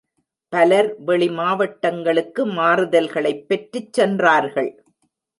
பலர் வெளி மாவட்டங்களுக்கு மாறுதல்களைப் பெற்றுச் சென்றார்கள்.